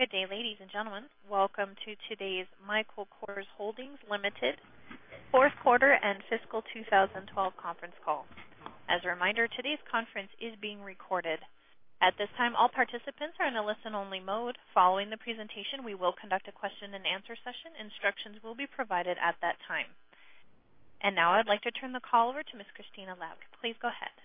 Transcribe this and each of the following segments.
Good day, ladies and gentlemen. Welcome to today's Michael Kors Holdings Limited fourth quarter and fiscal 2012 conference call. As a reminder, today's conference is being recorded. At this time, all participants are in a listen-only mode. Following the presentation, we will conduct a question and answer session. Instructions will be provided at that time. Now I'd like to turn the call over to Ms. Christina Loucks. Please go ahead.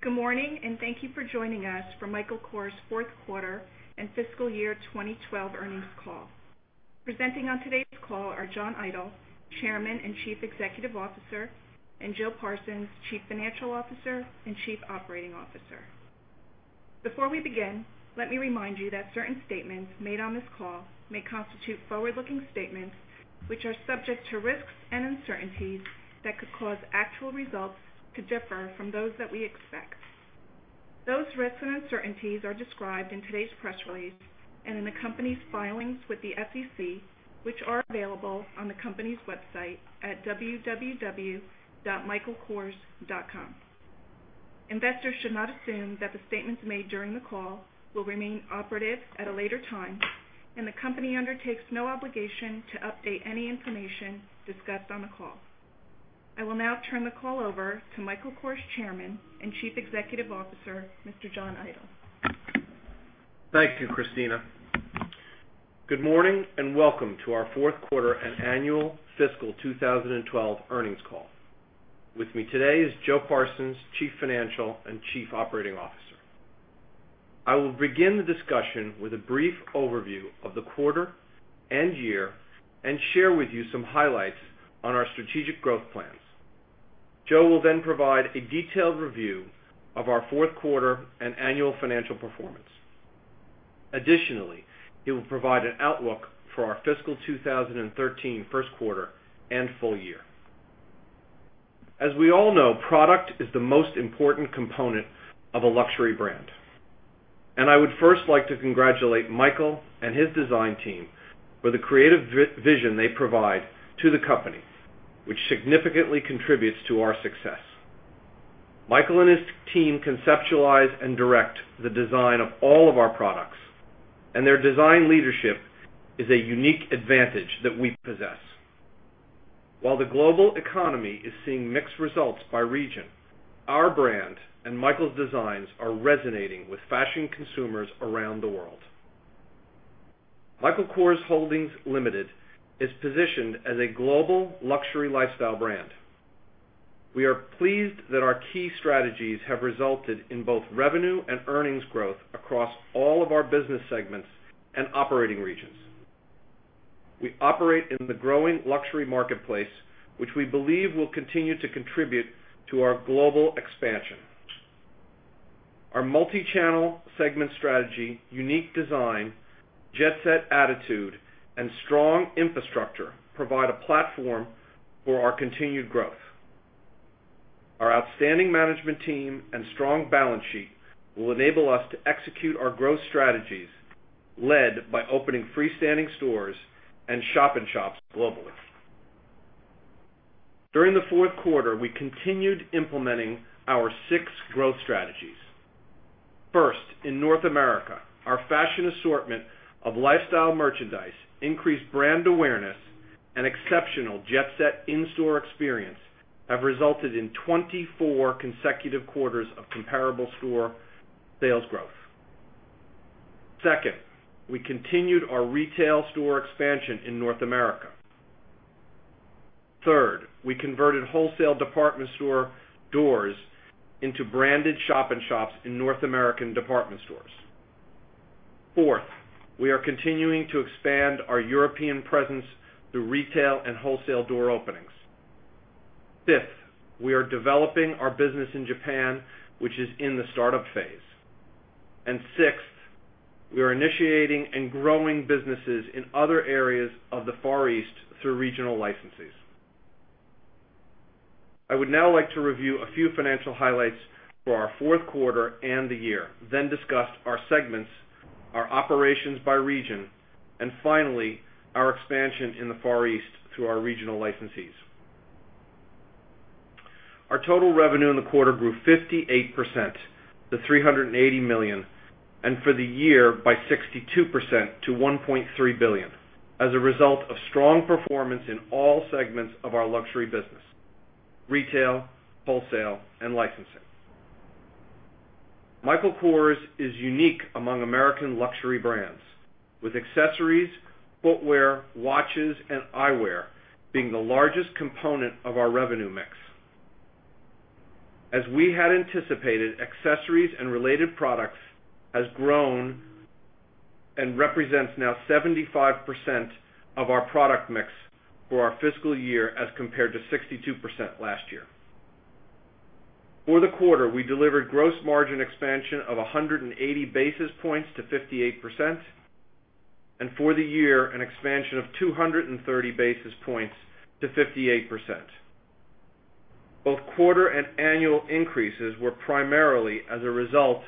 Good morning. Thank you for joining us for Michael Kors' fourth quarter and fiscal year 2012 earnings call. Presenting on today's call are John Idol, Chairman and Chief Executive Officer, and Joe Parsons, Chief Financial Officer and Chief Operating Officer. Before we begin, let me remind you that certain statements made on this call may constitute forward-looking statements, which are subject to risks and uncertainties that could cause actual results to differ from those that we expect. Those risks and uncertainties are described in today's press release and in the company's filings with the SEC, which are available on the company's website at www.michaelkors.com. Investors should not assume that the statements made during the call will remain operative at a later time. The company undertakes no obligation to update any information discussed on the call. I will now turn the call over to Michael Kors Chairman and Chief Executive Officer, Mr. John Idol. Thank you, Christina Loucks. Good morning. Welcome to our fourth quarter and annual fiscal 2012 earnings call. With me today is Joe Parsons, Chief Financial and Chief Operating Officer. I will begin the discussion with a brief overview of the quarter and year, share with you some highlights on our strategic growth plans. Joe will provide a detailed review of our fourth quarter and annual financial performance. Additionally, he will provide an outlook for our fiscal 2013 first quarter and full year. As we all know, product is the most important component of a luxury brand. I would first like to congratulate Michael and his design team for the creative vision they provide to the company, which significantly contributes to our success. Michael and his team conceptualize and direct the design of all of our products. Their design leadership is a unique advantage that we possess. While the global economy is seeing mixed results by region, our brand and Michael's designs are resonating with fashion consumers around the world. Michael Kors Holdings Limited is positioned as a global luxury lifestyle brand. We are pleased that our key strategies have resulted in both revenue and earnings growth across all of our business segments and operating regions. We operate in the growing luxury marketplace, which we believe will continue to contribute to our global expansion. Our multi-channel segment strategy, unique design, jet-set attitude, and strong infrastructure provide a platform for our continued growth. Our outstanding management team and strong balance sheet will enable us to execute our growth strategies led by opening freestanding stores and shop-in-shops globally. During the fourth quarter, we continued implementing our six growth strategies. In North America, our fashion assortment of lifestyle merchandise, increased brand awareness, and exceptional jet-set in-store experience have resulted in 24 consecutive quarters of comparable store sales growth. We continued our retail store expansion in North America. We converted wholesale department store doors into branded shop-in-shops in North American department stores. We are continuing to expand our European presence through retail and wholesale door openings. We are developing our business in Japan, which is in the startup phase. Sixth, we are initiating and growing businesses in other areas of the Far East through regional licensees. I would now like to review a few financial highlights for our fourth quarter and the year, then discuss our segments, our operations by region, and finally, our expansion in the Far East through our regional licensees. Our total revenue in the quarter grew 58%, to $380 million, and for the year by 62%, to $1.3 billion, as a result of strong performance in all segments of our luxury business: retail, wholesale, and licensing. Michael Kors is unique among American luxury brands, with accessories, footwear, watches, and eyewear being the largest component of our revenue mix. As we had anticipated, accessories and related products has grown and represents now 75% of our product mix for our fiscal year as compared to 62% last year. For the quarter, we delivered gross margin expansion of 180 basis points to 58%, and for the year, an expansion of 230 basis points to 58%. Both quarter and annual increases were primarily as a result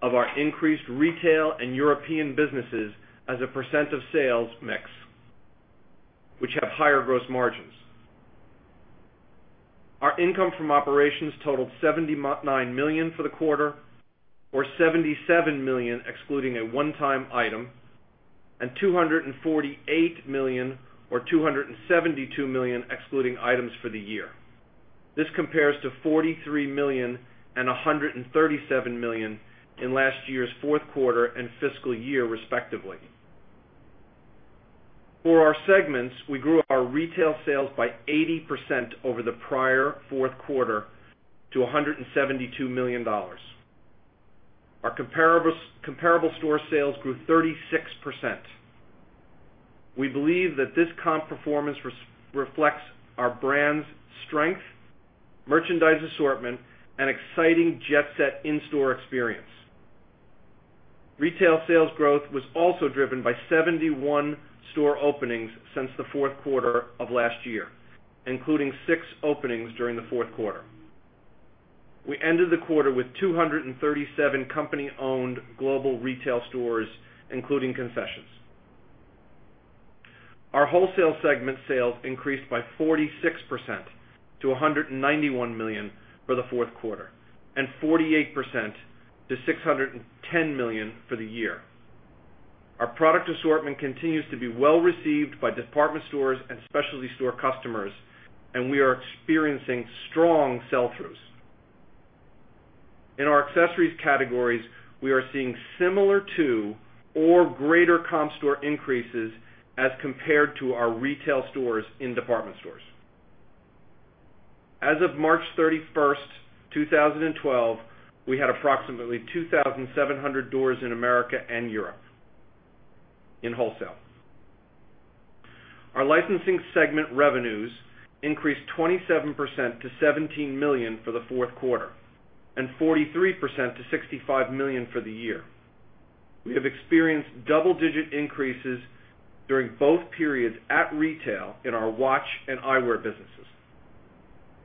of our increased retail and European businesses as a percent of sales mix, which have higher gross margins. Our income from operations totaled $79 million for the quarter, or $77 million excluding a one-time item, and $248 million or $272 million excluding items for the year. This compares to $43 million and $137 million in last year's fourth quarter and fiscal year respectively. For our segments, we grew our retail sales by 80% over the prior fourth quarter to $172 million. Our comparable store sales grew 36%. We believe that this comp performance reflects our brand's strength, merchandise assortment, and exciting jet-set in-store experience. Retail sales growth was also driven by 71 store openings since the fourth quarter of last year, including six openings during the fourth quarter. We ended the quarter with 237 company-owned global retail stores, including concessions. Our wholesale segment sales increased by 46% to $191 million for the fourth quarter, and 48% to $610 million for the year. Our product assortment continues to be well-received by department stores and specialty store customers, we are experiencing strong sell-throughs. In our accessories categories, we are seeing similar to or greater comp store increases as compared to our retail stores in department stores. As of March 31, 2012, we had approximately 2,700 doors in America and Europe in wholesale. Our licensing segment revenues increased 27% to $17 million for the fourth quarter, and 43% to $65 million for the year. We have experienced double-digit increases during both periods at retail in our watch and eyewear businesses.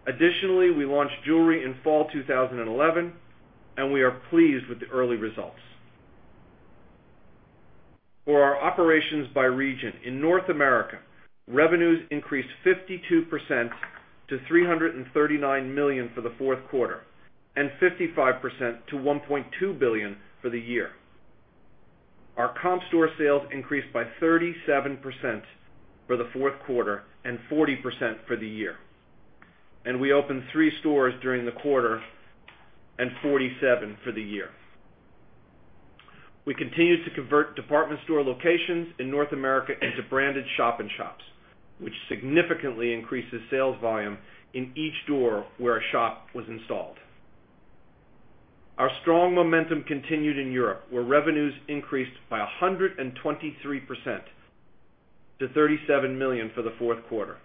Additionally, we launched jewelry in fall 2011, and we are pleased with the early results. For our operations by region, in North America, revenues increased 52% to $339 million for the fourth quarter, and 55% to $1.2 billion for the year. Our comp store sales increased by 37% for the fourth quarter and 40% for the year. We opened three stores during the quarter and 47 for the year. We continued to convert department store locations in North America into branded shop in shops, which significantly increases sales volume in each door where a shop was installed. Our strong momentum continued in Europe, where revenues increased by 123% to $37 million for the fourth quarter,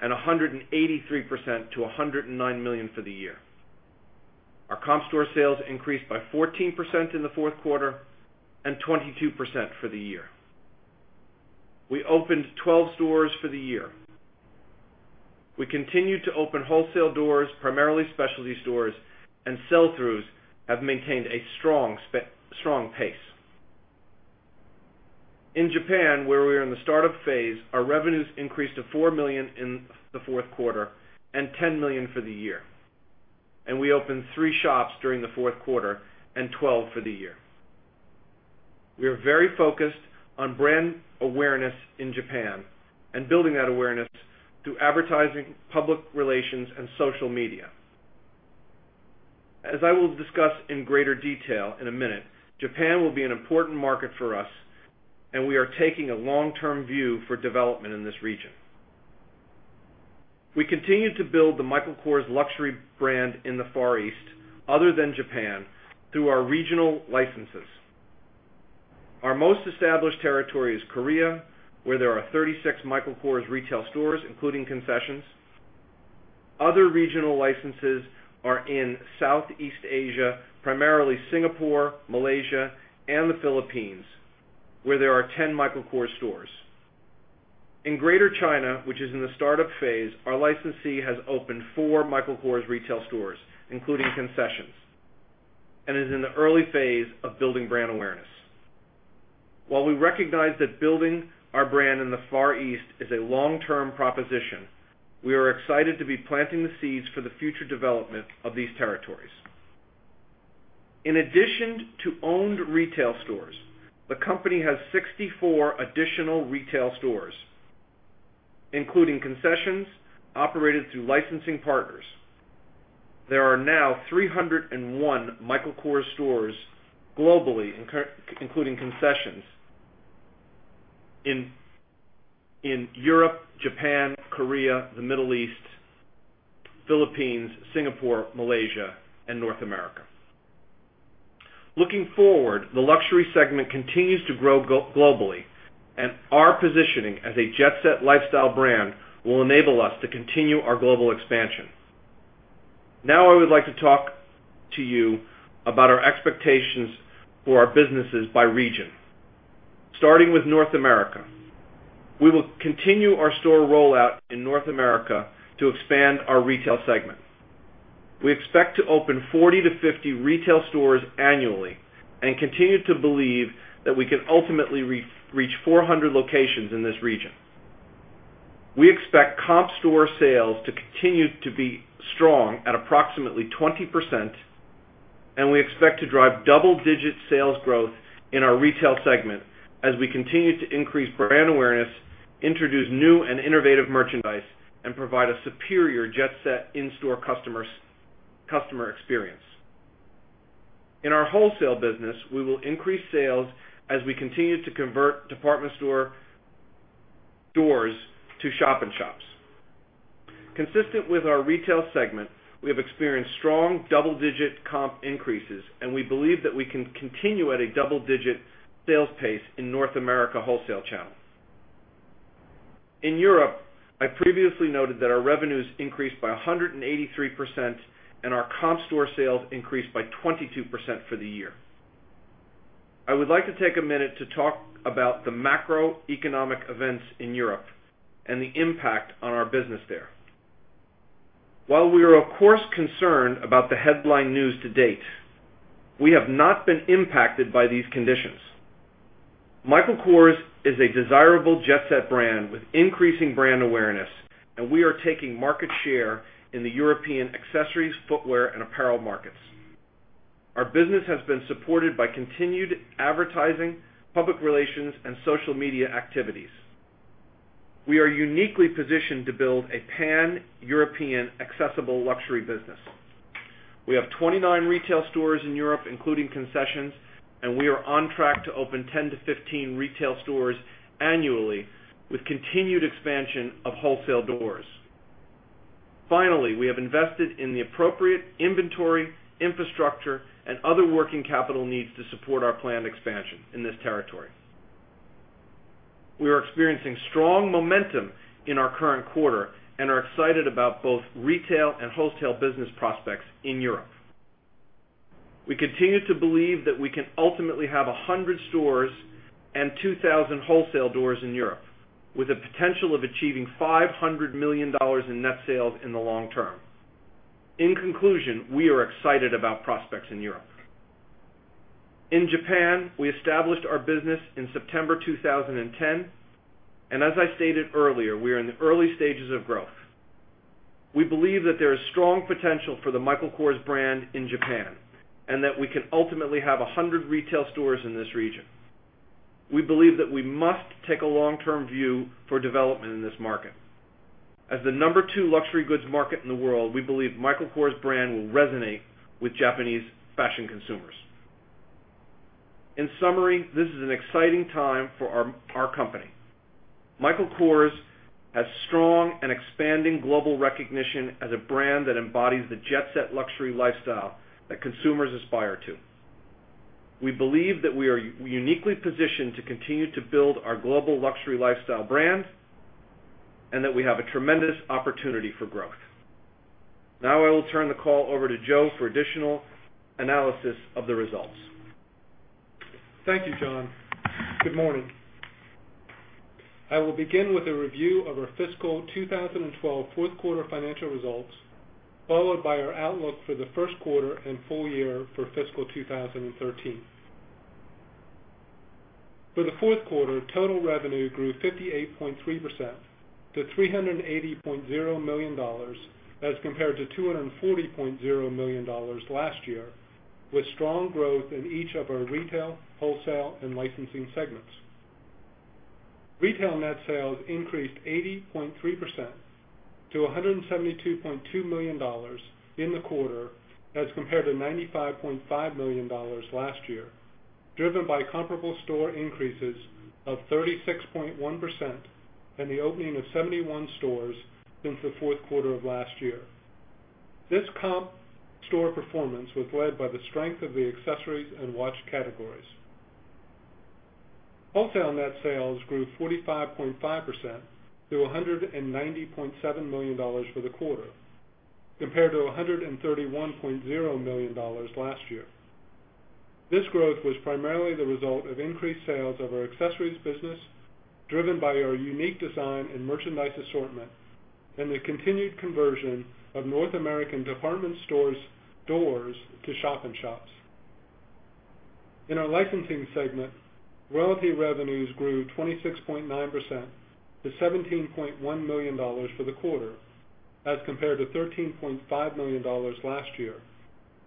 and 183% to $109 million for the year. Our comp store sales increased by 14% in the fourth quarter and 22% for the year. We opened 12 stores for the year. Sell-throughs have maintained a strong pace. In Japan, where we are in the startup phase, our revenues increased to $4 million in the fourth quarter and $10 million for the year, we opened three shops during the fourth quarter and 12 for the year. We are very focused on brand awareness in Japan and building that awareness through advertising, public relations, and social media. As I will discuss in greater detail in a minute, Japan will be an important market for us, and we are taking a long-term view for development in this region. We continue to build the Michael Kors luxury brand in the Far East, other than Japan, through our regional licenses. Our most established territory is Korea, where there are 36 Michael Kors retail stores, including concessions. Other regional licenses are in Southeast Asia, primarily Singapore, Malaysia, and the Philippines, where there are 10 Michael Kors stores. In Greater China, which is in the startup phase, our licensee has opened four Michael Kors retail stores, including concessions, is in the early phase of building brand awareness. While we recognize that building our brand in the Far East is a long-term proposition, we are excited to be planting the seeds for the future development of these territories. In addition to owned retail stores, the company has 64 additional retail stores, including concessions operated through licensing partners. There are now 301 Michael Kors stores globally, including concessions in Europe, Japan, Korea, the Middle East, Philippines, Singapore, Malaysia, and North America. Looking forward, the luxury segment continues to grow globally, our positioning as a jet-set lifestyle brand will enable us to continue our global expansion. I would like to talk to you about our expectations for our businesses by region. Starting with North America, we will continue our store rollout in North America to expand our retail segment. We expect to open 40-50 retail stores annually and continue to believe that we can ultimately reach 400 locations in this region. We expect comp store sales to continue to be strong at approximately 20%, and we expect to drive double-digit sales growth in our retail segment as we continue to increase brand awareness, introduce new and innovative merchandise, and provide a superior Jet Set in-store customer experience. In our wholesale business, we will increase sales as we continue to convert department store doors to shop-in-shops. Consistent with our retail segment, we have experienced strong double-digit comp increases, and we believe that we can continue at a double-digit sales pace in North America wholesale channel. In Europe, I previously noted that our revenues increased by 183%, and our comp store sales increased by 22% for the year. I would like to take a minute to talk about the macroeconomic events in Europe and the impact on our business there. While we are of course concerned about the headline news to date, we have not been impacted by these conditions. Michael Kors is a desirable Jet Set brand with increasing brand awareness, and we are taking market share in the European accessories, footwear, and apparel markets. Our business has been supported by continued advertising, public relations, and social media activities. We are uniquely positioned to build a Pan-European accessible luxury business. We have 29 retail stores in Europe, including concessions, and we are on track to open 10-15 retail stores annually with continued expansion of wholesale doors. We have invested in the appropriate inventory, infrastructure, and other working capital needs to support our planned expansion in this territory. We are experiencing strong momentum in our current quarter and are excited about both retail and wholesale business prospects in Europe. We continue to believe that we can ultimately have 100 stores and 2,000 wholesale doors in Europe, with a potential of achieving $500 million in net sales in the long term. In conclusion, we are excited about prospects in Europe. In Japan, we established our business in September 2010, and as I stated earlier, we are in the early stages of growth. We believe that there is strong potential for the Michael Kors brand in Japan and that we can ultimately have 100 retail stores in this region. We believe that we must take a long-term view for development in this market. As the number 2 luxury goods market in the world, we believe Michael Kors brand will resonate with Japanese fashion consumers. In summary, this is an exciting time for our company. Michael Kors has strong and expanding global recognition as a brand that embodies the Jet Set luxury lifestyle that consumers aspire to. We believe that we are uniquely positioned to continue to build our global luxury lifestyle brand and that we have a tremendous opportunity for growth. Now I will turn the call over to Joe for additional analysis of the results. Thank you, John. Good morning. I will begin with a review of our fiscal 2012 fourth quarter financial results, followed by our outlook for the first quarter and full year for fiscal 2013. For the fourth quarter, total revenue grew 58.3% to $380.0 million as compared to $240.0 million last year, with strong growth in each of our retail, wholesale, and licensing segments. Retail net sales increased 80.3% to $172.2 million in the quarter as compared to $95.5 million last year, driven by comparable store increases of 36.1% and the opening of 71 stores since the fourth quarter of last year. This comp store performance was led by the strength of the accessories and watch categories. Wholesale net sales grew 45.5% to $190.7 million for the quarter, compared to $131.0 million last year. This growth was primarily the result of increased sales of our accessories business, driven by our unique design and merchandise assortment and the continued conversion of North American department stores' doors to shop-in-shops. In our licensing segment, royalty revenues grew 26.9% to $17.1 million for the quarter, as compared to $13.5 million last year,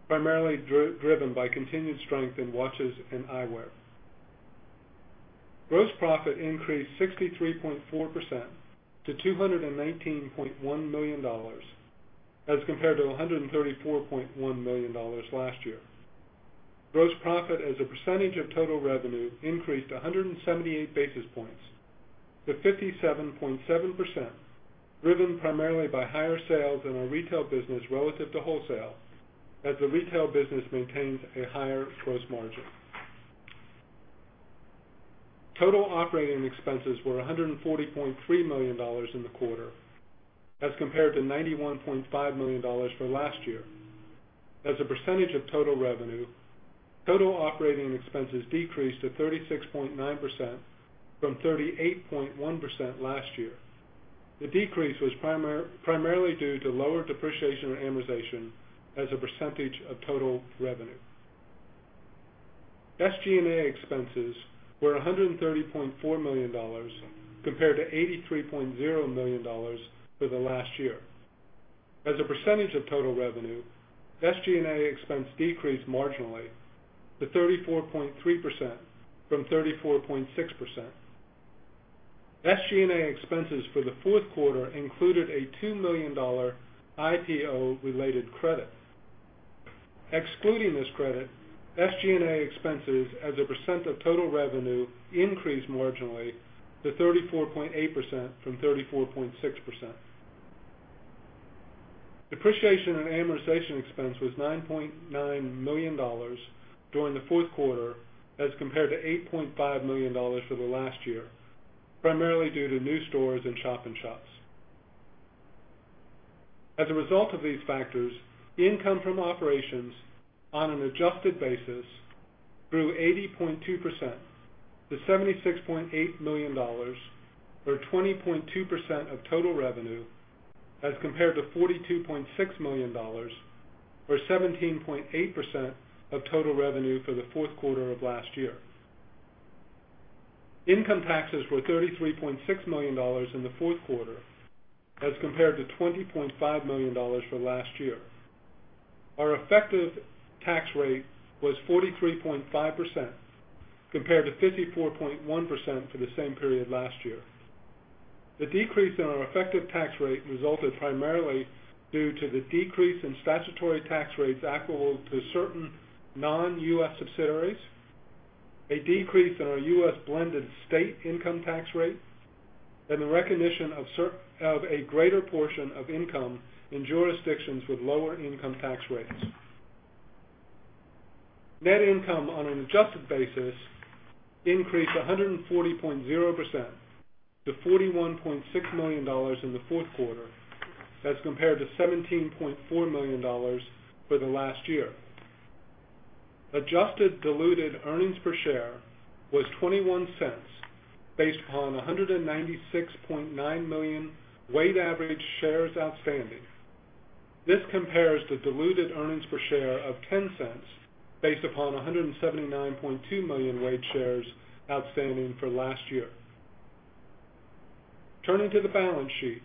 primarily driven by continued strength in watches and eyewear. Gross profit increased 63.4% to $219.1 million as compared to $134.1 million last year. Gross profit as a percentage of total revenue increased 178 basis points to 57.7%, driven primarily by higher sales in our retail business relative to wholesale as the retail business maintains a higher gross margin. Total operating expenses were $140.3 million in the quarter as compared to $91.5 million for last year. As a percentage of total revenue, total operating expenses decreased to 36.9% from 38.1% last year. The decrease was primarily due to lower depreciation and amortization as a percentage of total revenue. SG&A expenses were $130.4 million compared to $83.0 million for last year. As a percentage of total revenue, SG&A expense decreased marginally to 34.3% from 34.6%. SG&A expenses for the fourth quarter included a $2 million IPO related credit. Excluding this credit, SG&A expenses as a % of total revenue increased marginally to 34.8% from 34.6%. Depreciation and amortization expense was $9.9 million during the fourth quarter as compared to $8.5 million for last year, primarily due to new stores and shop-in-shops. As a result of these factors, income from operations on an adjusted basis grew 80.2% to $76.8 million, or 20.2% of total revenue, as compared to $42.6 million or 17.8% of total revenue for the fourth quarter of last year. Income taxes were $33.6 million in the fourth quarter as compared to $20.5 million for last year. Our effective tax rate was 43.5% compared to 54.1% for the same period last year. The decrease in our effective tax rate resulted primarily due to the decrease in statutory tax rates applicable to certain non-U.S. subsidiaries, a decrease in our U.S. blended state income tax rate, and the recognition of a greater portion of income in jurisdictions with lower income tax rates. Net income on an adjusted basis increased 140.0% to $41.6 million in the fourth quarter as compared to $17.4 million for last year. Adjusted diluted earnings per share was $0.21 based upon 196.9 million weight average shares outstanding. This compares to diluted earnings per share of $0.10 based upon 179.2 million weight shares outstanding for last year. Turning to the balance sheet.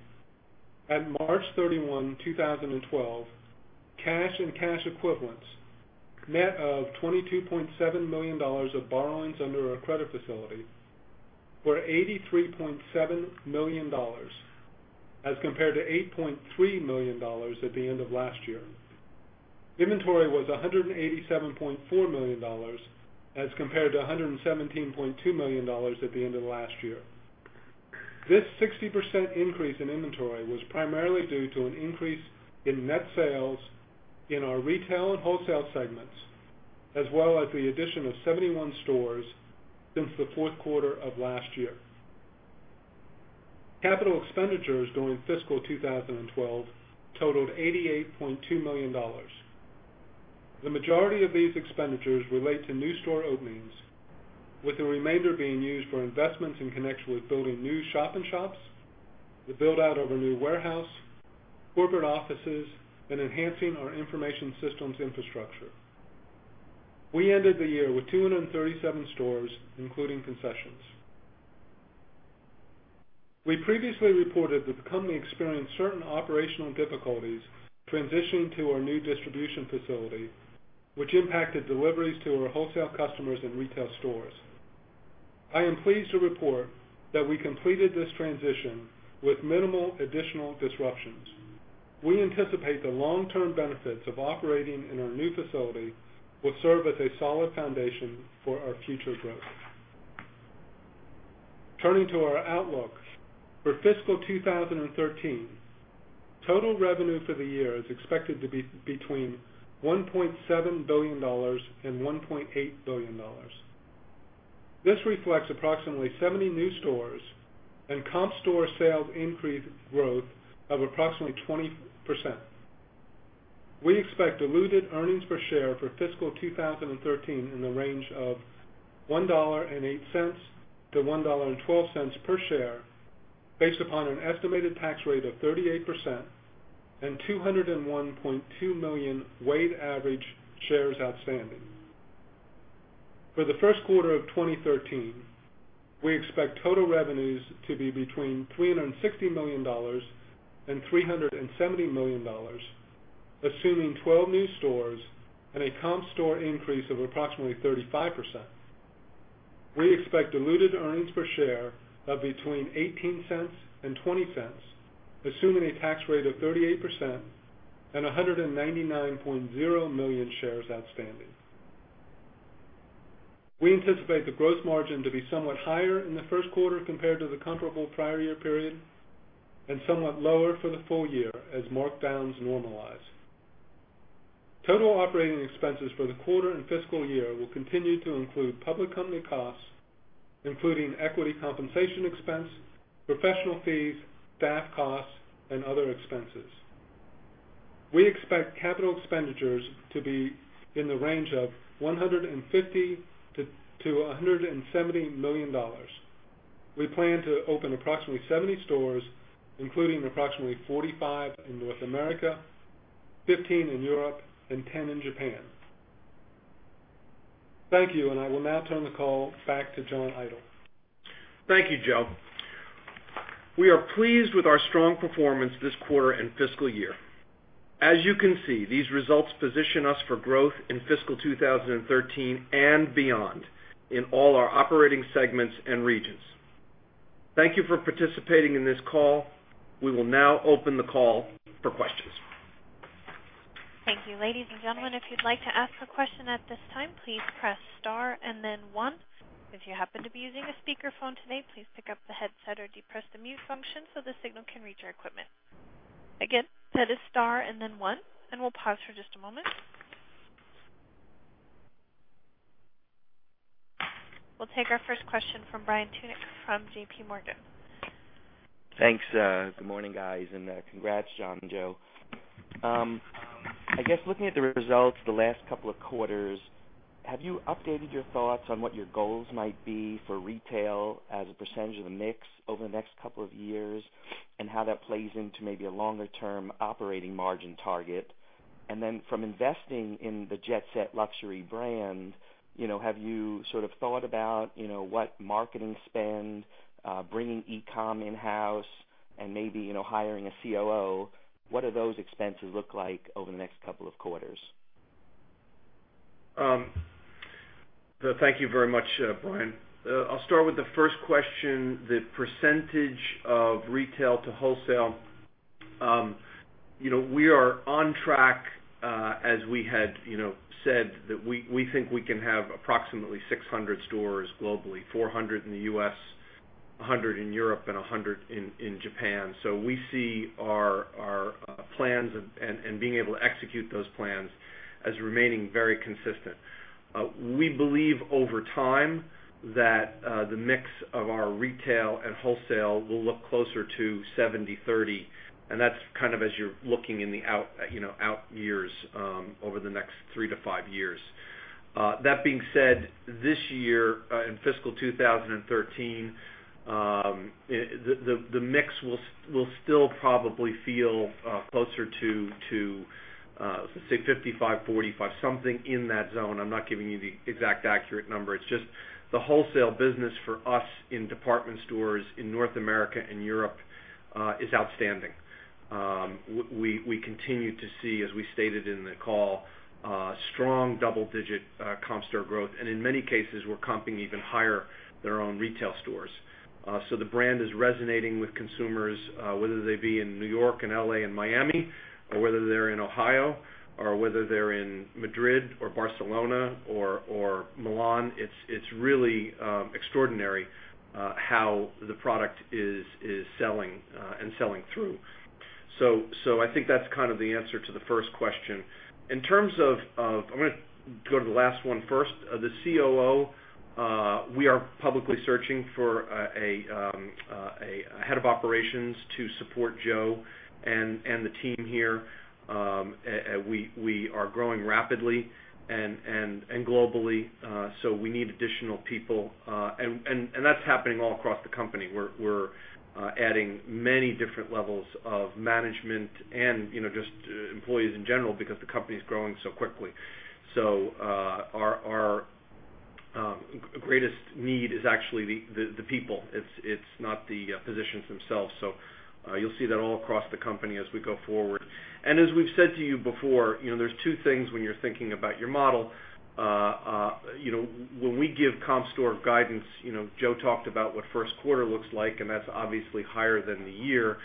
At March 31, 2012, cash and cash equivalents, net of $22.7 million of borrowings under our credit facility, were $83.7 million as compared to $8.3 million at the end of last year. Inventory was $187.4 million as compared to $117.2 million at the end of last year. This 60% increase in inventory was primarily due to an increase in net sales in our retail and wholesale segments, as well as the addition of 71 stores since the fourth quarter of last year. Capital expenditures during fiscal 2012 totaled $88.2 million. The majority of these expenditures relate to new store openings, with the remainder being used for investments in connection with building new shop-in-shops, the build-out of a new warehouse, corporate offices, and enhancing our information systems infrastructure. We ended the year with 237 stores, including concessions. We previously reported the company experienced certain operational difficulties transitioning to our new distribution facility, which impacted deliveries to our wholesale customers and retail stores. I am pleased to report that we completed this transition with minimal additional disruptions. We anticipate the long-term benefits of operating in our new facility will serve as a solid foundation for our future growth. Turning to our outlook for fiscal 2013. Total revenue for the year is expected to be between $1.7 billion and $1.8 billion. This reflects approximately 70 new stores and comp store sales increase growth of approximately 20%. We expect diluted earnings per share for fiscal 2013 in the range of $1.08 to $1.12 per share, based upon an estimated tax rate of 38% and 201.2 million weighted average shares outstanding. For the first quarter of 2013, we expect total revenues to be between $360 million and $370 million, assuming 12 new stores and a comp store increase of approximately 35%. We expect diluted earnings per share of between $0.18 and $0.20, assuming a tax rate of 38% and 199.0 million shares outstanding. We anticipate the gross margin to be somewhat higher in the first quarter compared to the comparable prior year period and somewhat lower for the full year as markdowns normalize. Total operating expenses for the quarter and fiscal year will continue to include public company costs, including equity compensation expense, professional fees, staff costs, and other expenses. We expect capital expenditures to be in the range of $150 million-$170 million. We plan to open approximately 70 stores, including approximately 45 in North America, 15 in Europe and 10 in Japan. Thank you. I will now turn the call back to John Idol. Thank you, Joe. We are pleased with our strong performance this quarter and fiscal year. As you can see, these results position us for growth in fiscal 2013 and beyond in all our operating segments and regions. Thank you for participating in this call. We will now open the call for questions. Thank you. Ladies and gentlemen, if you'd like to ask a question at this time, please press star and then one. If you happen to be using a speakerphone today, please pick up the headset or depress the mute function so the signal can reach our equipment. Again, that is star and then one, and we'll pause for just a moment. We'll take our first question from Brian Tunick from JPMorgan. Thanks. Good morning, guys, congrats, John and Joe. I guess, looking at the results the last couple of quarters, have you updated your thoughts on what your goals might be for retail as a percentage of the mix over the next couple of years and how that plays into maybe a longer-term operating margin target? From investing in the Jet Set luxury brand, have you thought about what marketing spend, bringing e-com in-house and maybe hiring a COO? What do those expenses look like over the next couple of quarters? Thank you very much, Brian. I'll start with the first question, the percentage of retail to wholesale. We are on track as we had said that we think we can have approximately 600 stores globally, 400 in the U.S., 100 in Europe, and 100 in Japan. We see our plans and being able to execute those plans as remaining very consistent. We believe over time that the mix of our retail and wholesale will look closer to 70/30, and that's as you're looking in the out years over the next three to five years. That being said, this year, in fiscal 2013, the mix will still probably feel closer to, say, 55/45, something in that zone. I'm not giving you the exact accurate number. It's just the wholesale business for us in department stores in North America and Europe is outstanding. We continue to see, as we stated in the call, strong double-digit comp store growth, and in many cases, we're comping even higher their own retail stores. The brand is resonating with consumers whether they be in New York and L.A. and Miami or whether they're in Ohio or whether they're in Madrid or Barcelona or Milan. It's really extraordinary how the product is selling and selling through. I think that's the answer to the first question. In terms of, I'm going to go to the last one first. The COO, we are publicly searching for a head of operations to support Joe and the team here. We are growing rapidly and globally. We need additional people, and that's happening all across the company. We're adding many different levels of management and just employees in general because the company is growing so quickly. Our greatest need is actually the people. It's not the positions themselves. You'll see that all across the company as we go forward. As we've said to you before, there's two things when you're thinking about your model. When we give comp store guidance, Joe talked about what first quarter looks like, and that's obviously higher than the year.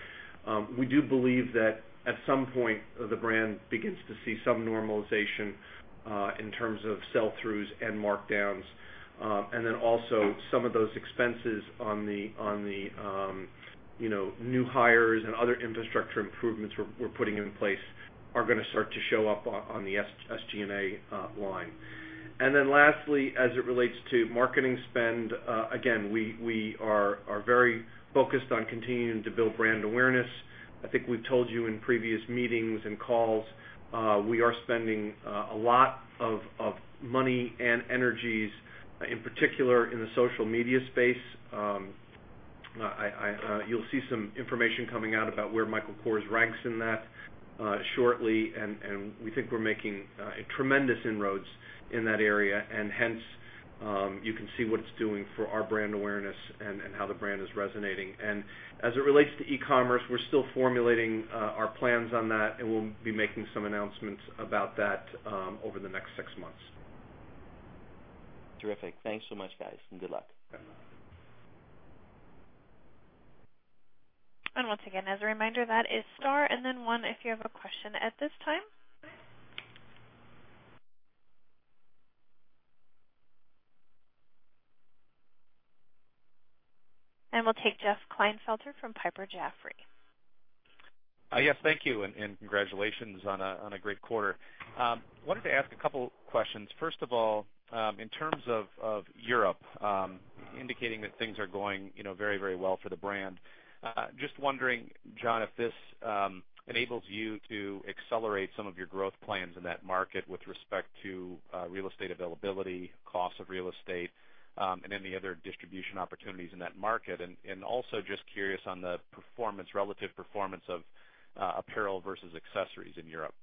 We do believe that at some point, the brand begins to see some normalization in terms of sell-throughs and markdowns. Also some of those expenses on the new hires and other infrastructure improvements we're putting in place are going to start to show up on the SG&A line. Lastly, as it relates to marketing spend, again, we are very focused on continuing to build brand awareness. I think we've told you in previous meetings and calls, we are spending a lot of money and energies, in particular in the social media space. You'll see some information coming out about where Michael Kors ranks in that shortly, and we think we're making tremendous inroads in that area. Hence, you can see what it's doing for our brand awareness and how the brand is resonating. As it relates to e-commerce, we're still formulating our plans on that, and we'll be making some announcements about that over the next six months. Terrific. Thanks so much, guys, and good luck. Once again, as a reminder, that is star and then one if you have a question at this time. We'll take Jeff Klinefelter from Piper Jaffray. Yes. Thank you, and congratulations on a great quarter. I wanted to ask a couple questions. First of all, in terms of Europe, indicating that things are going very well for the brand. Just wondering, John, if this enables you to accelerate some of your growth plans in that market with respect to real estate availability, cost of real estate, and any other distribution opportunities in that market. Also just curious on the relative performance of apparel versus accessories in Europe.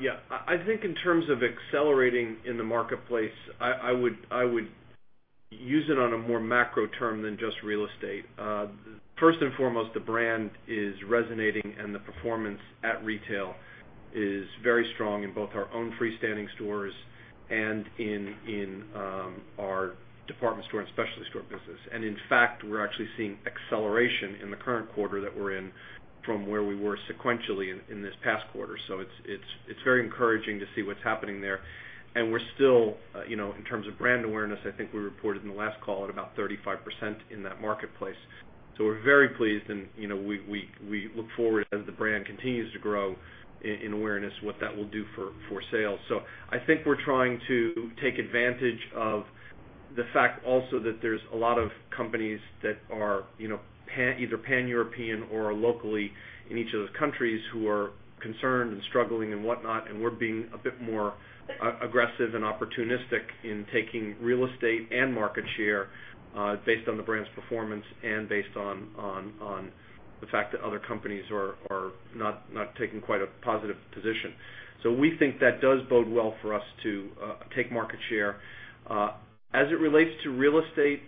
Yeah. I think in terms of accelerating in the marketplace, I would use it on a more macro term than just real estate. First and foremost, the brand is resonating and the performance at retail is very strong in both our own freestanding stores and in our department store and specialty store business. In fact, we're actually seeing acceleration in the current quarter that we're in from where we were sequentially in this past quarter. It's very encouraging to see what's happening there. We're still, in terms of brand awareness, I think we reported in the last call at about 35% in that marketplace. We're very pleased and we look forward as the brand continues to grow in awareness, what that will do for sales. I think we're trying to take advantage of the fact also that there's a lot of companies that are either pan-European or locally in each of those countries who are concerned and struggling and whatnot, and we're being a bit more aggressive and opportunistic in taking real estate and market share, based on the brand's performance and based on the fact that other companies are not taking quite a positive position. We think that does bode well for us to take market share. As it relates to real estate,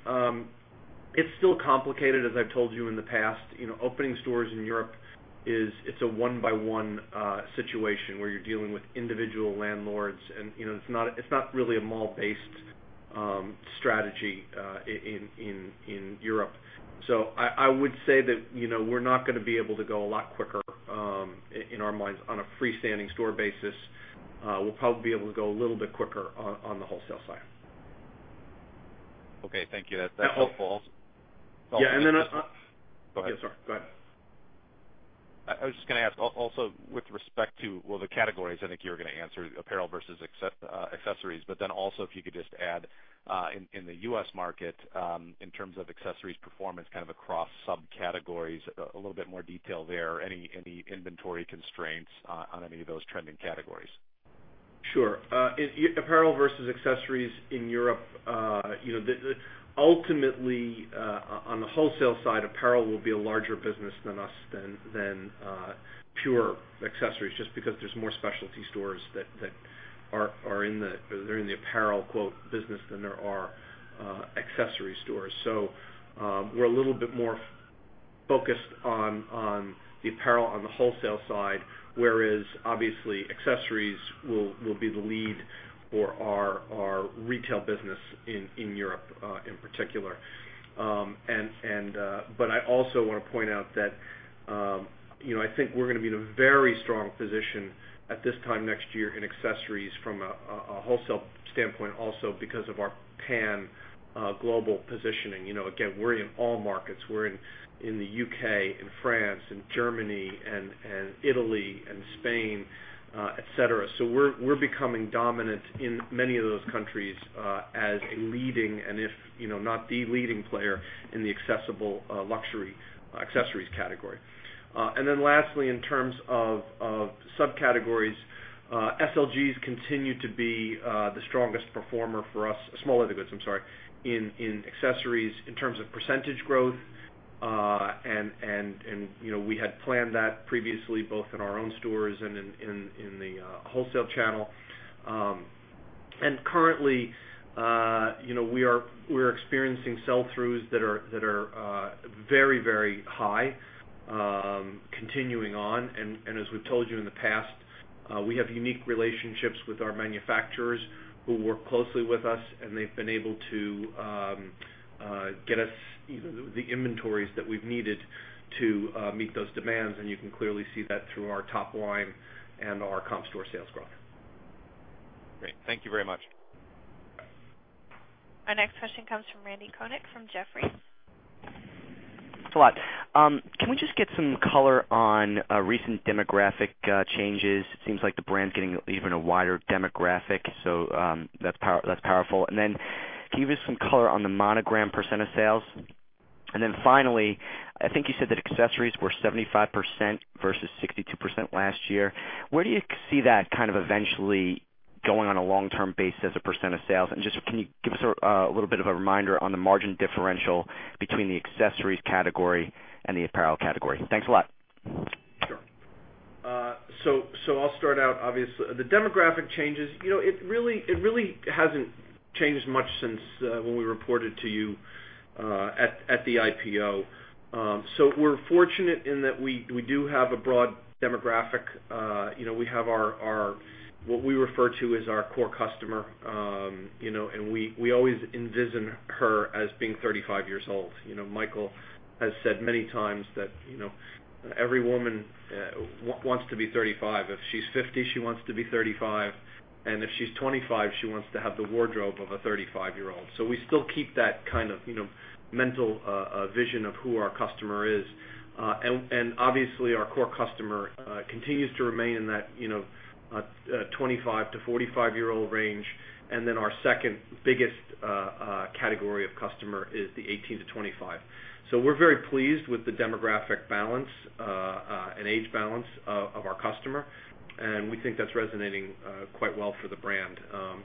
it's still complicated as I've told you in the past. Opening stores in Europe, it's a one-by-one situation where you're dealing with individual landlords, and it's not really a mall-based strategy in Europe. I would say that we're not going to be able to go a lot quicker, in our minds, on a freestanding store basis. We'll probably be able to go a little bit quicker on the wholesale side. Okay. Thank you. That's helpful. Yeah. Go ahead. Yeah, sorry. Go ahead. I was just going to ask also with respect to, well, the categories, I think you were going to answer apparel versus accessories, but then also if you could just add, in the U.S. market, in terms of accessories performance, kind of across subcategories, a little bit more detail there. Any inventory constraints on any of those trending categories? Sure. Apparel versus accessories in Europe. Ultimately, on the wholesale side, apparel will be a larger business than pure accessories, just because there's more specialty stores that are in the apparel "business" than there are accessory stores. We're a little bit more focused on the apparel on the wholesale side, whereas obviously accessories will be the lead for our retail business in Europe, in particular. I also want to point out that I think we're going to be in a very strong position at this time next year in accessories from a wholesale standpoint also because of our pan-global positioning. Again, we're in all markets. We're in the U.K. and France and Germany and Italy and Spain, et cetera. We're becoming dominant in many of those countries, as a leading and if not the leading player in the accessible luxury accessories category. Lastly, in terms of subcategories, SLGs continue to be the strongest performer for us, small leather goods, I'm sorry, in accessories, in terms of percentage growth. We had planned that previously both in our own stores and in the wholesale channel. Currently, we are experiencing sell-throughs that are very high, continuing on. As we've told you in the past, we have unique relationships with our manufacturers who work closely with us, and they've been able to get us the inventories that we've needed to meet those demands, and you can clearly see that through our top line and our comp store sales growth. Great. Thank you very much. Our next question comes from Randal Konik from Jefferies. Thanks a lot. Can we just get some color on recent demographic changes? It seems like the brand's getting even a wider demographic, so that's powerful. Can you give us some color on the Monogram % of sales? Finally, I think you said that accessories were 75% versus 62% last year. Where do you see that kind of eventually going on a long-term basis of % of sales? Just can you give us a little bit of a reminder on the margin differential between the accessories category and the apparel category? Thanks a lot. Sure. I'll start out, obviously. The demographic changes, it really hasn't changed much since when we reported to you at the IPO. We're fortunate in that we do have a broad demographic. We have what we refer to as our core customer. We always envision her as being 35 years old. Michael has said many times that every woman wants to be 35. If she's 50, she wants to be 35, and if she's 25, she wants to have the wardrobe of a 35-year-old. We still keep that kind of mental vision of who our customer is. Obviously, our core customer continues to remain in that 25 to 45-year-old range. Our second biggest category of customer is the 18 to 25. We're very pleased with the demographic balance An age balance of our customer, and we think that's resonating quite well for the brand.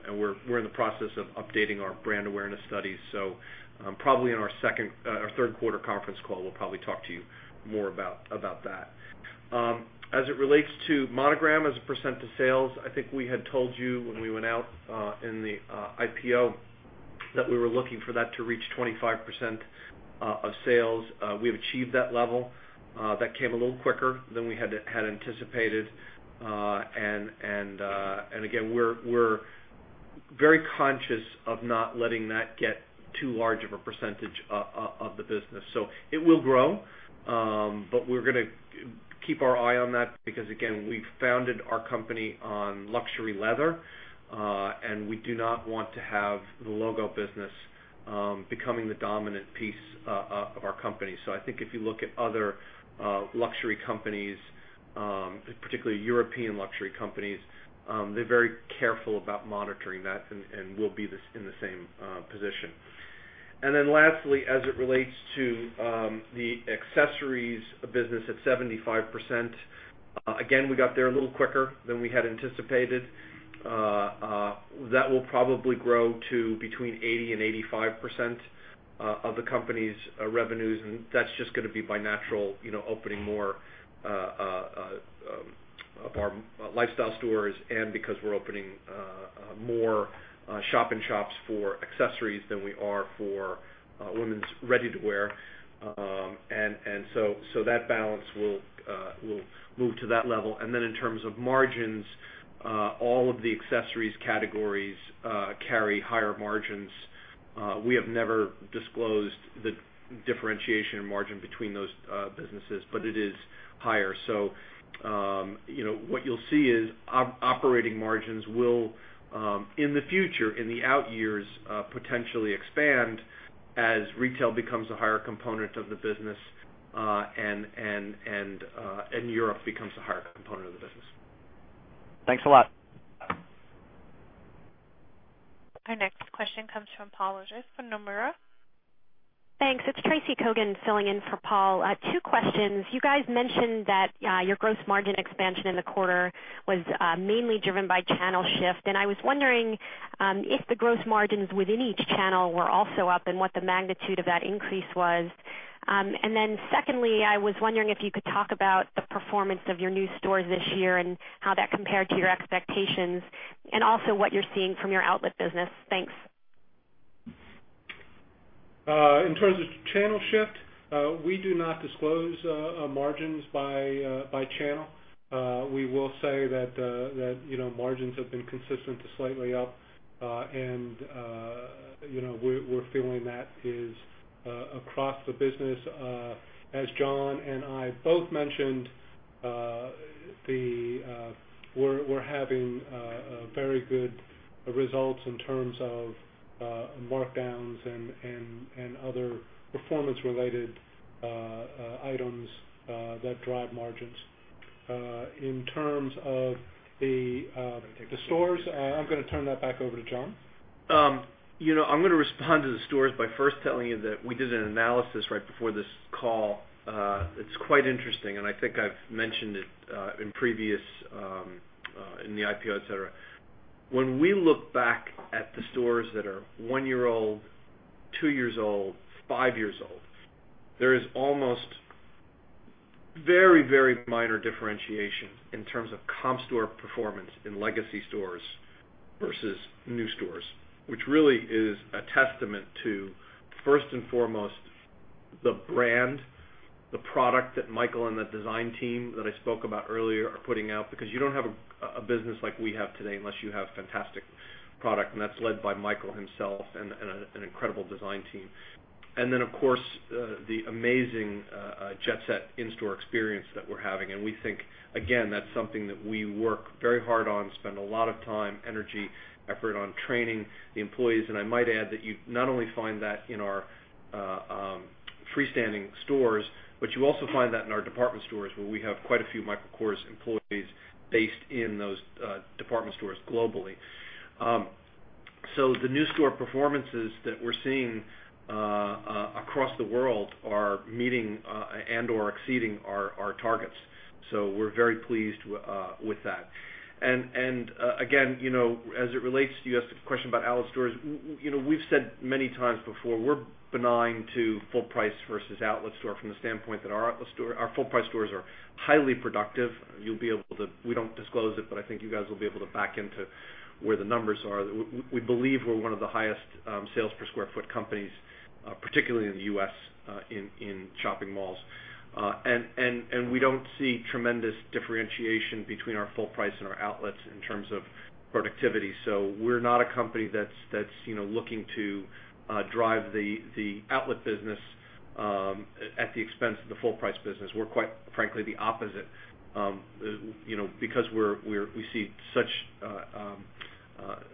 We're in the process of updating our brand awareness studies. Probably in our third quarter conference call, we'll probably talk to you more about that. As it relates to Monogram as a percent of sales, I think we had told you when we went out in the IPO that we were looking for that to reach 25% of sales. We have achieved that level. That came a little quicker than we had anticipated. Again, we're very conscious of not letting that get too large of a percentage of the business. It will grow. We're going to keep our eye on that because, again, we founded our company on luxury leather. We do not want to have the logo business becoming the dominant piece of our company. I think if you look at other luxury companies, particularly European luxury companies, they're very careful about monitoring that and we'll be in the same position. Lastly, as it relates to the accessories business at 75%, Again, we got there a little quicker than we had anticipated. That will probably grow to between 80% and 85% of the company's revenues, and that's just going to be by natural opening more of our lifestyle stores and because we're opening more shop-in-shops for accessories than we are for women's ready-to-wear. That balance will move to that level. In terms of margins, all of the accessories categories carry higher margins. We have never disclosed the differentiation in margin between those businesses, but it is higher. What you'll see is operating margins will, in the future, in the out years, potentially expand as retail becomes a higher component of the business, and Europe becomes a higher component of the business. Thanks a lot. Our next question comes from Paul Lejuez from Nomura. Thanks. It's Tracy Cogan filling in for Paul. Two questions. You guys mentioned that your gross margin expansion in the quarter was mainly driven by channel shift. I was wondering if the gross margins within each channel were also up and what the magnitude of that increase was. Secondly, I was wondering if you could talk about the performance of your new stores this year and how that compared to your expectations. Also what you're seeing from your outlet business. Thanks. In terms of channel shift, we do not disclose margins by channel. We will say that margins have been consistent to slightly up. We're feeling that is across the business. As John and I both mentioned, we're having very good results in terms of markdowns and other performance related items that drive margins. In terms of the stores, I'm going to turn that back over to John. I'm going to respond to the stores by first telling you that we did an analysis right before this call. It's quite interesting. I think I've mentioned it in previous, in the IPO, et cetera. When we look back at the stores that are one year old, two years old, five years old, there is almost very minor differentiation in terms of comp store performance in legacy stores versus new stores, which really is a testament to, first and foremost, the brand, the product that Michael and the design team that I spoke about earlier are putting out, because you don't have a business like we have today unless you have fantastic product. That's led by Michael himself and an incredible design team. Of course, the amazing Jet Set in-store experience that we're having. We think, again, that's something that we work very hard on, spend a lot of time, energy, effort on training the employees. I might add that you not only find that in our freestanding stores, but you also find that in our department stores, where we have quite a few Michael Kors employees based in those department stores globally. The new store performances that we're seeing across the world are meeting and/or exceeding our targets. We're very pleased with that. Again, as it relates to you asked a question about outlet stores. We've said many times before, we're benign to full price versus outlet store from the standpoint that our full price stores are highly productive. We don't disclose it, but I think you guys will be able to back into where the numbers are. We believe we're one of the highest sales per square foot companies, particularly in the U.S., in shopping malls. We don't see tremendous differentiation between our full price and our outlets in terms of productivity. We're not a company that's looking to drive the outlet business at the expense of the full price business. We're quite frankly the opposite. Because we see such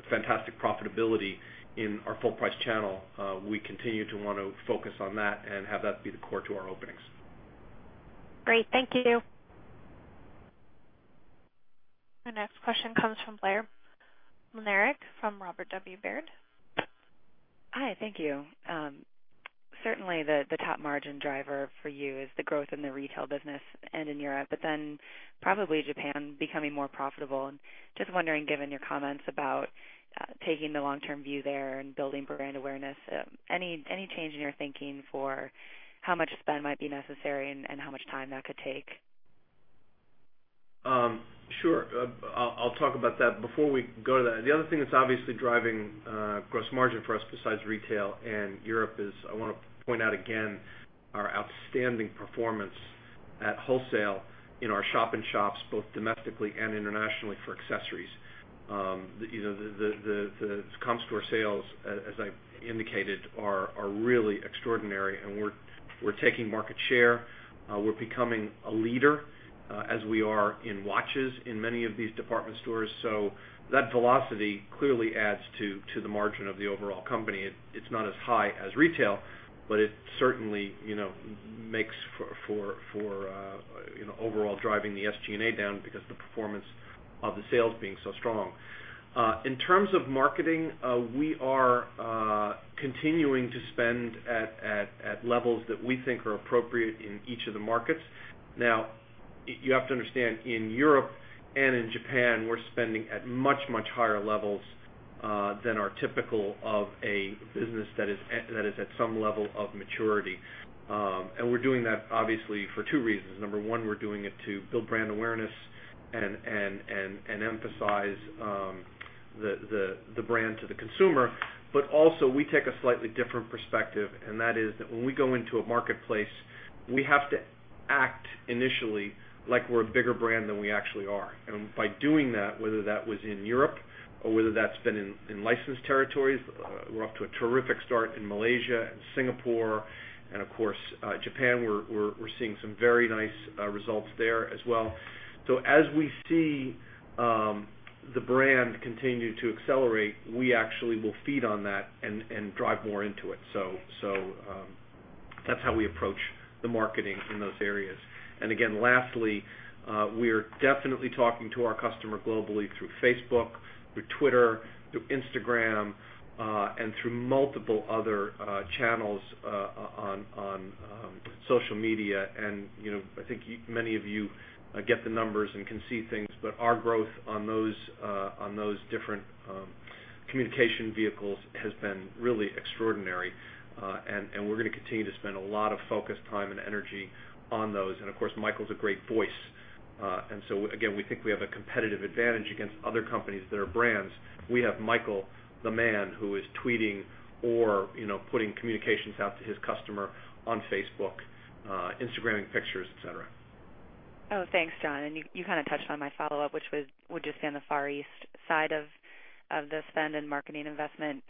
fantastic profitability in our full price channel, we continue to want to focus on that and have that be the core to our openings. Great. Thank you. The next question comes from Blair Maschmeyer from Robert W. Baird. Hi, thank you. Certainly the top margin driver for you is the growth in the retail business and in Europe, probably Japan becoming more profitable. Just wondering, given your comments about taking the long-term view there and building brand awareness, any change in your thinking for how much spend might be necessary and how much time that could take? Sure. I'll talk about that. Before we go to that, the other thing that's obviously driving gross margin for us besides retail and Europe is, I want to point out again, our outstanding performance at wholesale in our shop in shops, both domestically and internationally for accessories. The comp store sales, as I indicated, are really extraordinary and we're taking market share. We're becoming a leader as we are in watches in many of these department stores. That velocity clearly adds to the margin of the overall company. It's not as high as retail, but it certainly makes for overall driving the SG&A down because the performance of the sales being so strong. In terms of marketing, we are continuing to spend at levels that we think are appropriate in each of the markets. You have to understand, in Europe and in Japan, we're spending at much, much higher levels than are typical of a business that is at some level of maturity. We're doing that obviously for two reasons. Number one, we're doing it to build brand awareness and emphasize the brand to the consumer. We take a slightly different perspective, and that is that when we go into a marketplace, we have to act initially like we're a bigger brand than we actually are. By doing that, whether that was in Europe or whether that's been in licensed territories, we're off to a terrific start in Malaysia and Singapore and of course, Japan, we're seeing some very nice results there as well. As we see the brand continue to accelerate, we actually will feed on that and drive more into it. That's how we approach the marketing in those areas. Again, lastly, we are definitely talking to our customer globally through Facebook, through Twitter, through Instagram and through multiple other channels on social media. I think many of you get the numbers and can see things, but our growth on those different communication vehicles has been really extraordinary. We're going to continue to spend a lot of focus, time, and energy on those. Of course, Michael's a great voice. Again, we think we have a competitive advantage against other companies that are brands. We have Michael, the man who is tweeting or putting communications out to his customer on Facebook, Instagramming pictures, et cetera. Oh, thanks, John. You kind of touched on my follow-up, which was just on the Far East side of the spend and marketing investment.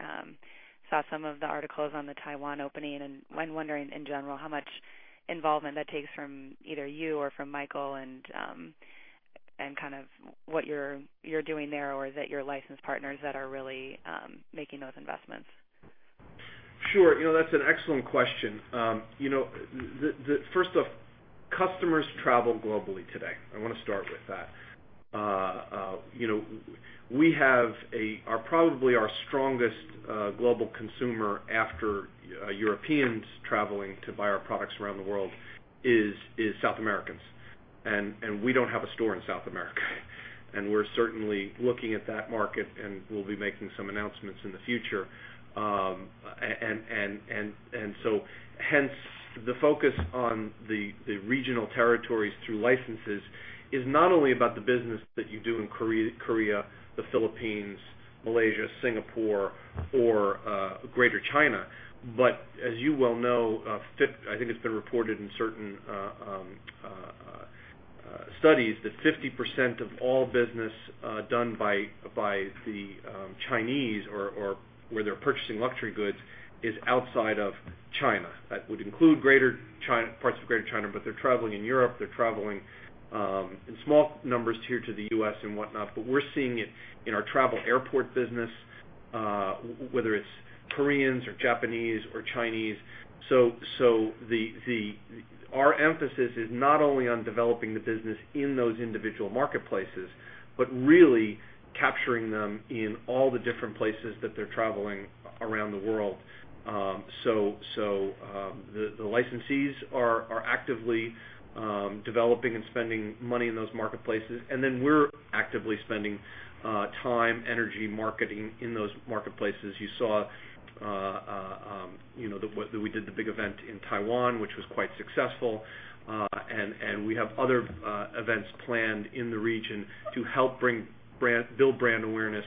Saw some of the articles on the Taiwan opening, and I'm wondering in general, how much involvement that takes from either you or from Michael and what you're doing there or is it your license partners that are really making those investments? Sure. That's an excellent question. First off, customers travel globally today. I want to start with that. Probably our strongest global consumer after Europeans traveling to buy our products around the world is South Americans. We don't have a store in South America. We're certainly looking at that market and we'll be making some announcements in the future. Hence the focus on the regional territories through licenses is not only about the business that you do in Korea, the Philippines, Malaysia, Singapore, or Greater China. As you well know, I think it's been reported in certain studies that 50% of all business done by the Chinese or where they're purchasing luxury goods is outside of China. That would include parts of Greater China, but they're traveling in Europe. They're traveling in small numbers here to the U.S. and whatnot, but we're seeing it in our travel airport business whether it's Koreans or Japanese or Chinese. Our emphasis is not only on developing the business in those individual marketplaces, but really capturing them in all the different places that they're traveling around the world. The licensees are actively developing and spending money in those marketplaces, and then we're actively spending time, energy, marketing in those marketplaces. You saw that we did the big event in Taiwan, which was quite successful. We have other events planned in the region to help build brand awareness,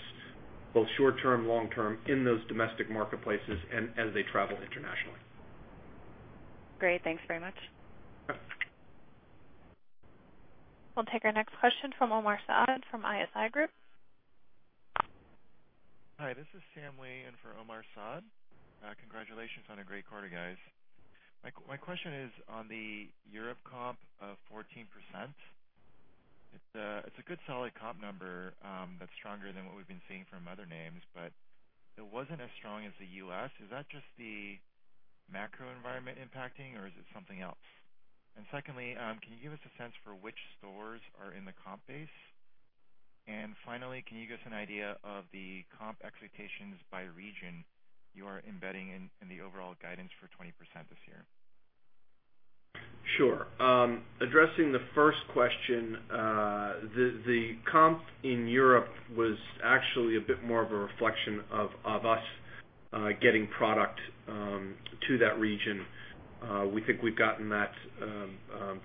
both short term, long term in those domestic marketplaces and as they travel internationally. Great. Thanks very much. We'll take our next question from Omar Saad from ISI Group. Hi, this is Sam Lee in for Omar Saad. Congratulations on a great quarter, guys. My question is on the Europe comp of 14%. It's a good solid comp number that's stronger than what we've been seeing from other names, but it wasn't as strong as the U.S. Is that just the macro environment impacting or is it something else? Secondly, can you give us a sense for which stores are in the comp base? Finally, can you give us an idea of the comp expectations by region you are embedding in the overall guidance for 20% this year? Sure. Addressing the first question, the comp in Europe was actually a bit more of a reflection of us getting product to that region. We think we've gotten that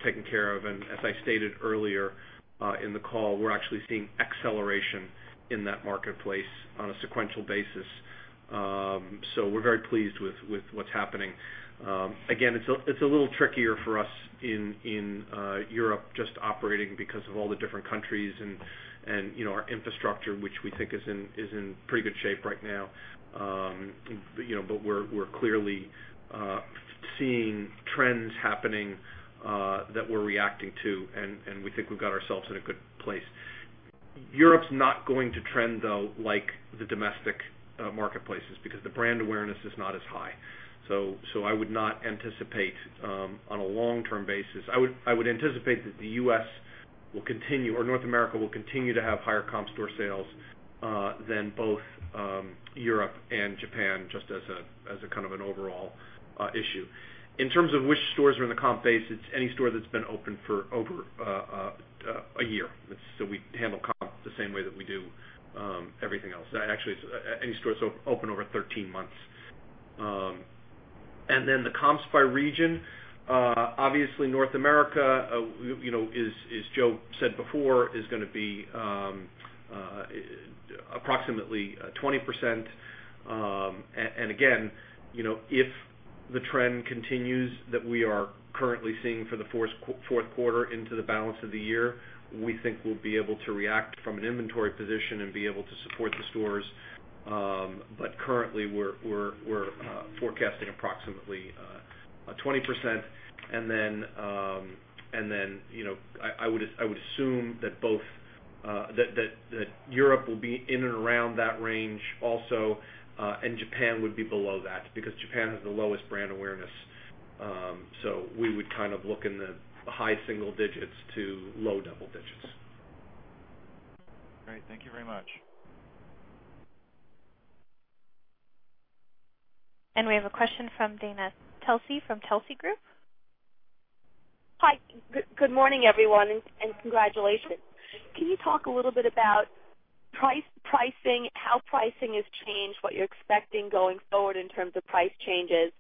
taken care of, and as I stated earlier in the call, we're actually seeing acceleration in that marketplace on a sequential basis. We're very pleased with what's happening. Again, it's a little trickier for us in Europe just operating because of all the different countries and our infrastructure, which we think is in pretty good shape right now. We're clearly seeing trends happening that we're reacting to, and we think we've got ourselves in a good place. Europe's not going to trend, though, like the domestic marketplaces because the brand awareness is not as high. I would not anticipate on a long-term basis. I would anticipate that the U.S. will continue, or North America will continue to have higher comp store sales than both Europe and Japan just as a kind of an overall issue. In terms of which stores are in the comp base, it's any store that's been open for over a year. We handle comps the same way that we do everything else. Actually, any store open over 13 months. Then the comps by region. Obviously, North America, as Joe said before, is going to be approximately 20%. Again, if the trend continues that we are currently seeing for the fourth quarter into the balance of the year, we think we'll be able to react from an inventory position and be able to support the stores. Currently we're forecasting approximately 20%. Then I would assume that Europe will be in and around that range also. Japan would be below that because Japan has the lowest brand awareness. We would look in the high single digits to low double digits. Great. Thank you very much. We have a question from Dana Telsey from Telsey Group. Hi. Good morning, everyone, and congratulations. Can you talk a little bit about pricing, how pricing has changed, what you're expecting going forward in terms of price changes?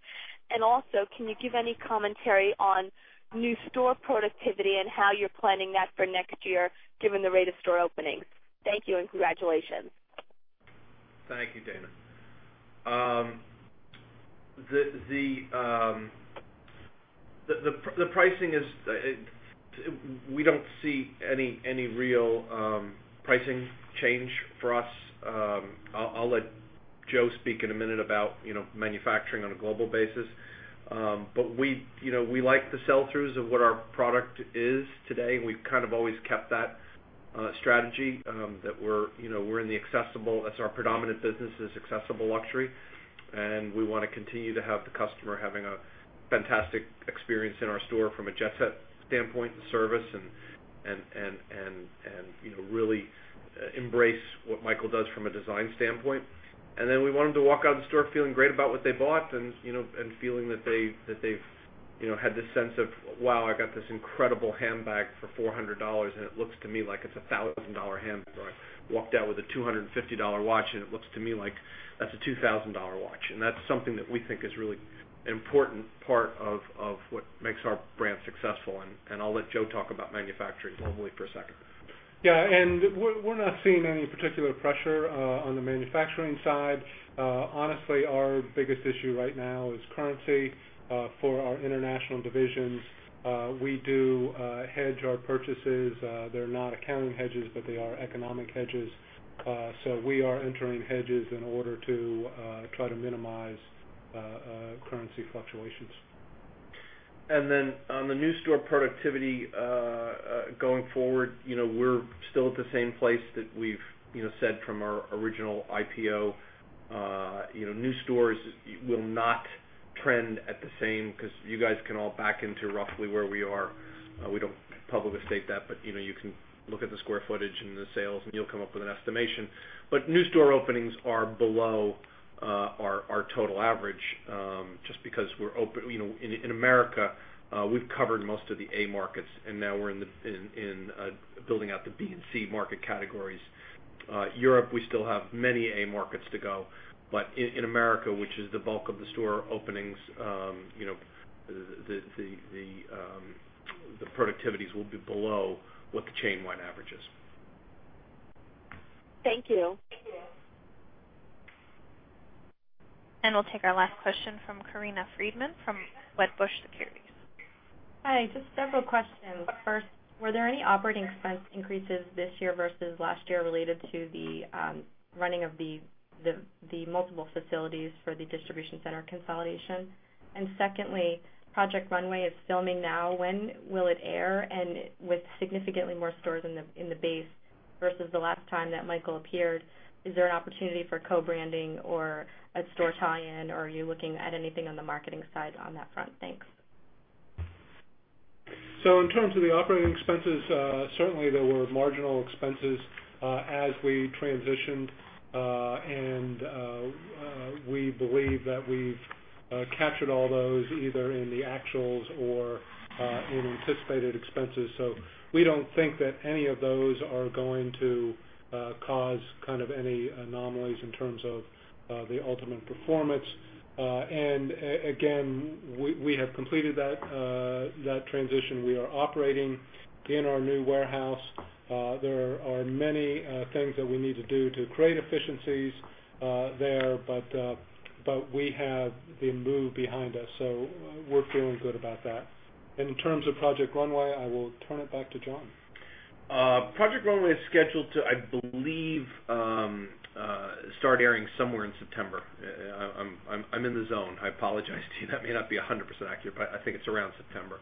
Also, can you give any commentary on new store productivity and how you're planning that for next year given the rate of store openings? Thank you, and congratulations. Thank you, Dana. The pricing is, we don't see any real pricing change for us. I'll let Joe speak in a minute about manufacturing on a global basis. We like the sell-throughs of what our product is today, and we've kind of always kept that strategy that our predominant business is accessible luxury, and we want to continue to have the customer having a fantastic experience in our store from a Jet Set standpoint and service and really embrace what Michael does from a design standpoint. We want them to walk out of the store feeling great about what they bought and feeling that they've had this sense of, "Wow, I got this incredible handbag for $400 and it looks to me like it's a $1,000 handbag." Or, "I walked out with a $250 watch and it looks to me like that's a $2,000 watch." That's something that we think is really an important part of what makes our brand successful. I'll let Joe talk about manufacturing globally for a second. Yeah. We're not seeing any particular pressure on the manufacturing side. Honestly, our biggest issue right now is currency for our international divisions. We do hedge our purchases. They're not accounting hedges, but they are economic hedges. We are entering hedges in order to try to minimize currency fluctuations. On the new store productivity going forward, we're still at the same place that we've said from our original IPO. New stores will not trend at the same because you guys can all back into roughly where we are. We don't publicly state that, but you can look at the square footage and the sales and you'll come up with an estimation. New store openings are below our total average just because in America, we've covered most of the A markets and now we're building out the B and C market categories. Europe, we still have many A markets to go. In America, which is the bulk of the store openings the productivities will be below what the chain-wide average is. Thank you. We'll take our last question from Corinna Freedman from Wedbush Securities. Hi, just several questions. First, were there any operating expense increases this year versus last year related to the running of the multiple facilities for the distribution center consolidation? Secondly, Project Runway is filming now. When will it air? With significantly more stores in the base versus the last time that Michael appeared. Is there an opportunity for co-branding or a store tie-in, or are you looking at anything on the marketing side on that front? Thanks. In terms of the operating expenses, certainly there were marginal expenses as we transitioned. We believe that we've captured all those either in the actuals or in anticipated expenses. We don't think that any of those are going to cause any anomalies in terms of the ultimate performance. Again, we have completed that transition. We are operating in our new warehouse. There are many things that we need to do to create efficiencies there, but we have the move behind us, so we're feeling good about that. In terms of Project Runway, I will turn it back to John. Project Runway" is scheduled to, I believe, start airing somewhere in September. I'm in the zone. I apologize to you. That may not be 100% accurate, but I think it's around September.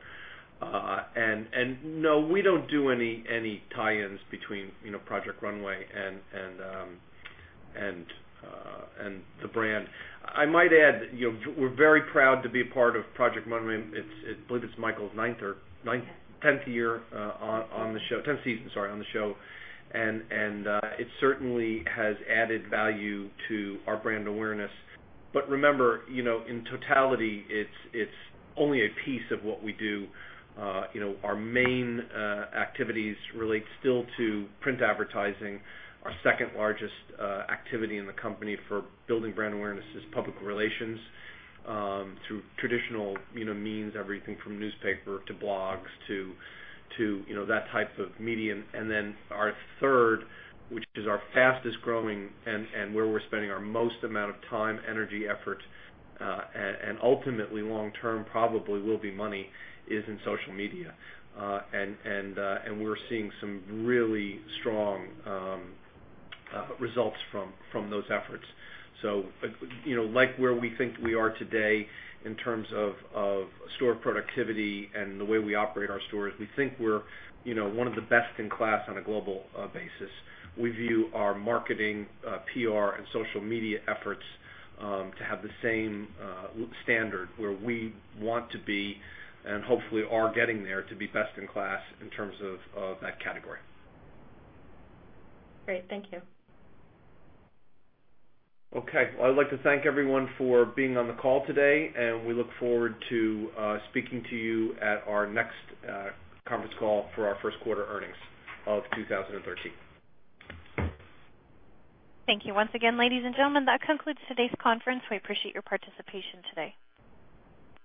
No, we don't do any tie-ins between "Project Runway" and the brand. I might add, we're very proud to be a part of "Project Runway." I believe it's Michael's ninth or tenth year on the show. Tenth season, sorry, on the show, and it certainly has added value to our brand awareness. But remember, in totality it's only a piece of what we do. Our main activities relate still to print advertising. Our second largest activity in the company for building brand awareness is public relations through traditional means, everything from newspaper to blogs to that type of medium. Our third, which is our fastest-growing and where we're spending our most amount of time, energy, effort, and ultimately long term, probably will be money, is in social media. We're seeing some really strong results from those efforts. So like where we think we are today in terms of store productivity and the way we operate our stores, we think we're one of the best in class on a global basis. We view our marketing, PR, and social media efforts to have the same standard where we want to be and hopefully are getting there to be best in class in terms of that category. Great. Thank you. I'd like to thank everyone for being on the call today, and we look forward to speaking to you at our next conference call for our first quarter earnings of 2013. Thank you once again, ladies and gentlemen. That concludes today's conference. We appreciate your participation today.